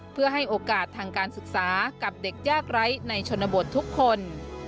เพื่อให้โอกาสทางการศึกษากับเด็กยากไร้ในชนบททุกคน